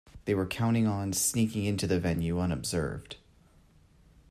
They were counting on sneaking in to the venue unobserved